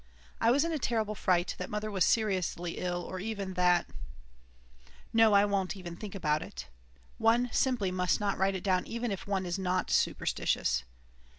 I was in a terrible fright that Mother was seriously ill, or even that No, I won't even think it; one simply must not write it down even if one is not superstitious.